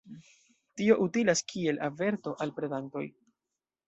Tio utilas kiel averto al predantoj.